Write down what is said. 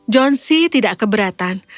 johnsy tidak keberatan